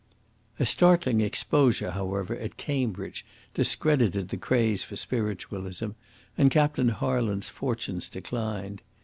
A startling exposure, however, at Cambridge discredited the craze for spiritualism, and Captain Harland's fortunes declined.